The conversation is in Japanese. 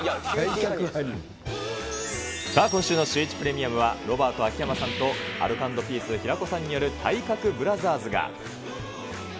今週のシューイチプレミアムは、ロバート・秋山さんとアルコ＆ピース・平子さんによる体格ブラザーズが。